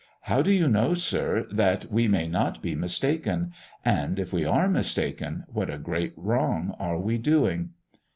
How do you know, sir, that we may not be mistaken? And, if we are mistaken, what a great wrong are we doing!"